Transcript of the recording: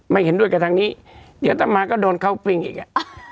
เห็นด้วยกับทางนี้เดี๋ยวต่อมาก็โดนเข้าปิ้งอีกอ่ะ